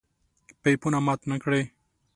پيپونه مات نکړئ!